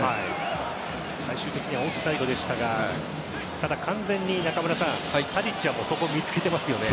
最終的にはオフサイドでしたがただ、完全にタディッチはそこを見つけていますね。